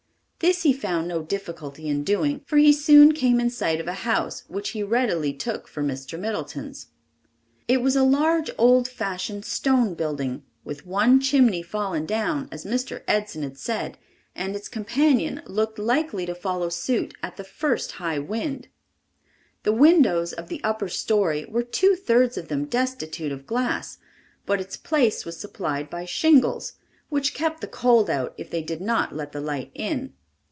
This he found no difficulty in doing, for he soon came in sight of a house, which he readily took for Mr. Middleton's. It was a large, old fashioned stone building, with one chimney fallen down, as Mr. Edson had said, and its companion looked likely to follow suit at the first high wind. The windows of the upper story were two thirds of them destitute of glass, but its place was supplied by shingles, which kept the cold out if they did not let the light in.